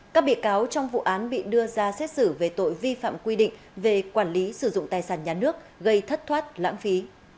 các bị cáo trong vụ án bị đưa ra xét xử về tội vi phạm quy định về quản lý sử dụng tài sản nhà nước gây thất thoát lãng phí